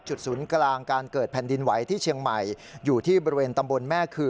ศูนย์กลางการเกิดแผ่นดินไหวที่เชียงใหม่อยู่ที่บริเวณตำบลแม่คือ